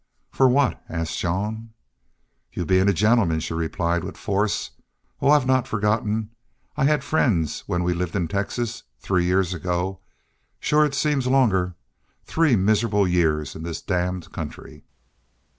"For what?" asked Jean. "Y'ur bein' a gentleman," she replied, with force. "Oh, I've not forgotten. I had friends when we lived in Texas.... Three years ago. Shore it seems longer. Three miserable years in this damned country!"